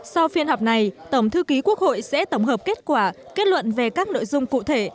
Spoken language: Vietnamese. sau phiên họp này tổng thư ký quốc hội sẽ tổng hợp kết quả kết luận về các nội dung cụ thể